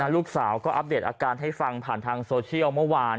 ลูกสาวก็อัปเดตอาการให้ฟังผ่านทางโซเชียลเมื่อวาน